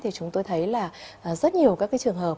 thì chúng tôi thấy là rất nhiều các cái trường hợp